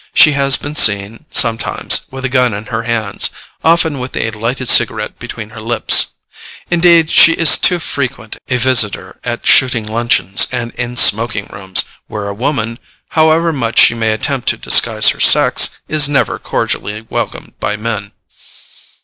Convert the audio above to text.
She has been seen sometimes with a gun in her hands, often with a lighted cigarette between her lips. Indeed she is too frequent a visitor at shooting luncheons and in smoking rooms, where a woman, however much she may attempt to disguise her sex, is never cordially welcomed by men.